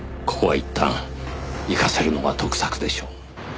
ここはいったん行かせるのが得策でしょう。